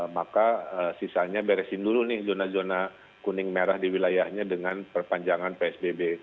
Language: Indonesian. maka sisanya beresin dulu nih zona zona kuning merah di wilayahnya dengan perpanjangan psbb